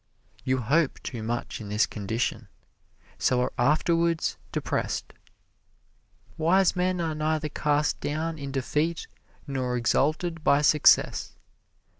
You hope too much in this condition, so are afterwards depressed. Wise men are neither cast down in defeat nor exalted by success.